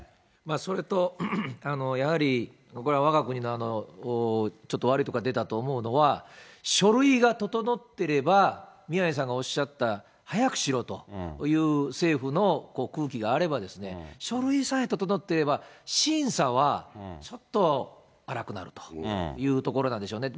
それと、やはり、これはわが国のちょっと悪いところが出たと思うのは、書類が整ってれば、宮根さんがおっしゃった、早くしろという政府の空気があれば、書類さえ整ってれば、審査はちょっと粗くなるというところなんでしょうね。